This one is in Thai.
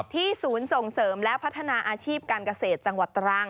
ศูนย์ส่งเสริมและพัฒนาอาชีพการเกษตรจังหวัดตรัง